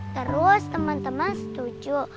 terus temen temen setuju